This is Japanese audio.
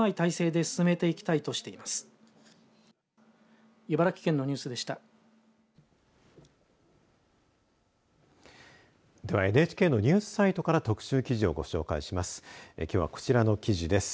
では、ＮＨＫのニュースサイトから特集記事をご紹介します。